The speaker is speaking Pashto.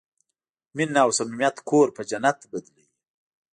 مینه او صمیمیت کور په جنت بدلوي.